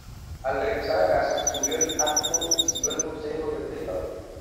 Al regresar a casa, subió al ático y siguió el consejo del predicador.